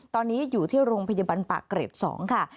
ตอนนี้อยู่ที่โรงพยาบาลปากเกร็ด๒ค่ะ